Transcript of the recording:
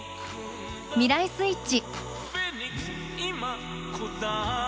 「未来スイッチ」。